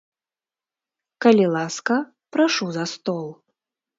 Калі ласка, прашу за стол.